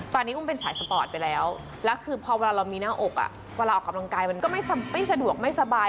ตอนนี้อุ้มเป็นสายสปอร์ตไปแล้วแล้วคือพอเวลาเรามีหน้าอกเวลาออกกำลังกายมันก็ไม่สะดวกไม่สบาย